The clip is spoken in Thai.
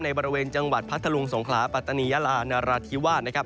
บริเวณจังหวัดพัทธลุงสงขลาปัตตานียาลานราธิวาสนะครับ